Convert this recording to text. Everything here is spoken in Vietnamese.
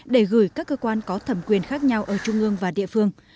để gửi các cơ quan có thẩm quyền khác nhau ở trung ương và địa phương